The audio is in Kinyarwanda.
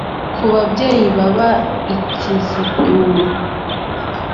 ku babyeyi baba i kiziguro